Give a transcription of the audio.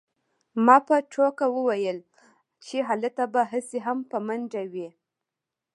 ما په ټوکه وویل چې هلته به هسې هم په منډه وې